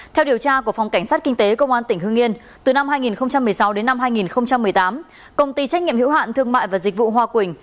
theo điều tra của phòng cảnh sát kinh tế công an tỉnh hương yên từ năm hai nghìn một mươi sáu đến năm hai nghìn một mươi tám công ty trách nhiệm hữu hạn thương mại và dịch vụ hòa quỳnh